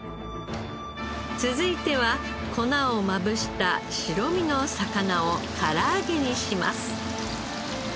続いては粉をまぶした白身の魚をから揚げにします。